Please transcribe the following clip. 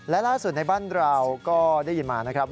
และล่าสุดในบ้านเราก็ได้ยินมานะครับ